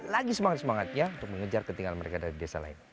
lagi semangat semangatnya untuk mengejar ketinggalan mereka dari desa lain